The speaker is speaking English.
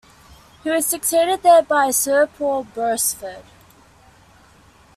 He was succeeded there by Sir Paul Beresford.